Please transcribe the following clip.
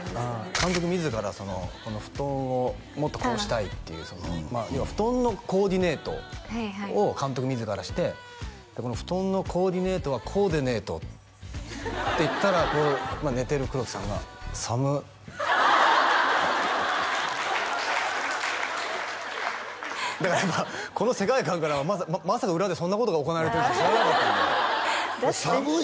監督自らその布団をもっとこうしたいっていう要は布団のコーディネートを監督自らしてって言ったら寝てる黒木さんがだからやっぱこの世界観からはまさか裏でそんなことが行われてるとは知らなかったんでだって「寒っ」